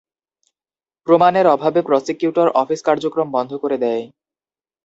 প্রমাণের অভাবে প্রসিকিউটরের অফিস কার্যক্রম বন্ধ করে দেয়।